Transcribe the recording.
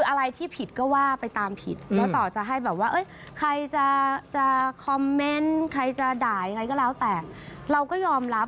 อะไรที่ผิดก็ว่าไปตามผิดแล้วต่อจะให้แบบว่าใครจะคอมเมนต์ใครจะด่ายังไงก็แล้วแต่เราก็ยอมรับ